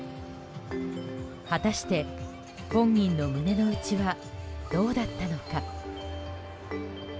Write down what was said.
果たして本人の胸の内はどうだったのか。